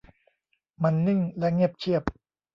มันนิ่งและเงียบเชียบ